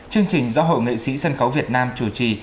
chương trình do hội nghệ sĩ sân khấu việt nam chủ trì